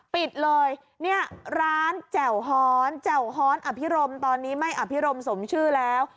ปิดเลยเนี่ยร้านแจ่วฮอนแจ่วฮ้อนอภิรมตอนนี้ไม่อภิรมสมชื่อแล้ว